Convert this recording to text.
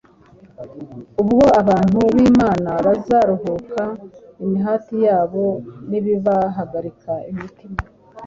ubwo abantu b’Imana bazaruhuka imihati yabo n’ibibahagarika imitima.